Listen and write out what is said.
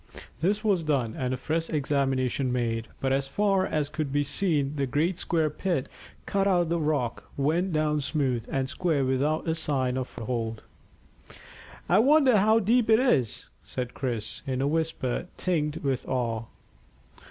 This was done, and a fresh examination made, but as far as could be seen the great square pit cut out of the rock went down smooth and square without a sign of foothold. "I wonder how deep it is," said Chris, in a whisper tinged with awe.